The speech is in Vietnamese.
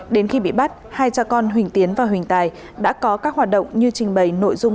đến khi bị bắt hai cha con huỳnh tiến và huỳnh tài đã có các hoạt động như trình bày nội dung